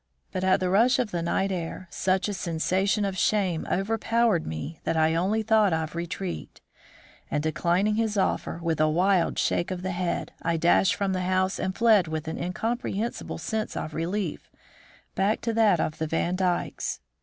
But at the rush of the night air, such a sensation of shame overpowered me that I only thought of retreat; and, declining his offer with a wild shake of the head, I dashed from the house and fled with an incomprehensible sense of relief back to that of the Vandykes.